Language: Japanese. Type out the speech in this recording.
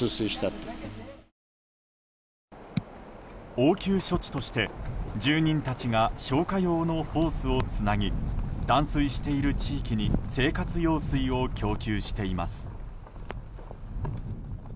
応急処置として、住人たちが消火用のホースをつなぎ断水している地域に生活用水を供給しています。